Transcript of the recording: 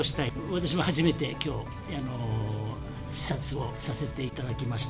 私も初めてきょう、視察をさせていただきました。